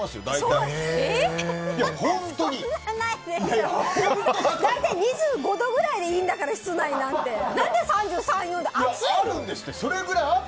大体２５度ぐらいでいいんだから室内なんて。